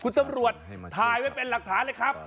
คุณตำรวจถ่ายไว้เป็นหลักฐานเลยครับ